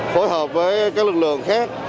phối hợp với các lực lượng khác